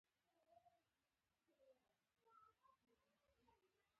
هيله لار ده.